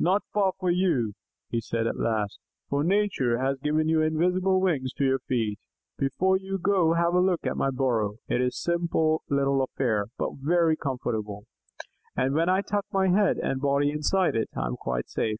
"Not far for you," he said at last, "for Nature has given you invisible wings to your feet. Before you go have a look at my burrow. It is a simple little affair, but very comfortable, and when I tuck my head and body inside it I am quite safe.